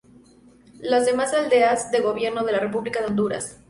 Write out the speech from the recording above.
Las demás aldeas el gobierno de la República de Honduras.